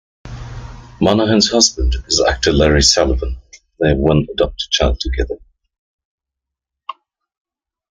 Monahan's husband is actor Larry Sullivan; they have one adopted child together.